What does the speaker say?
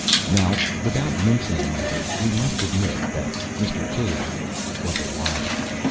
Now, without mincing the matter, we must admit that Mr. Cave was a liar.